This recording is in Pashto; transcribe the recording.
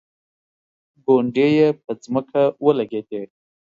ګونډې یې په ځمکه ولګېدې.